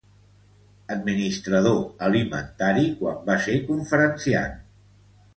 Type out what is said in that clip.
Administrador Alimentari quan va ser conferenciant.